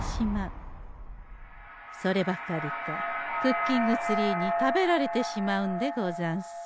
そればかりかクッキングツリーに食べられてしまうんでござんす。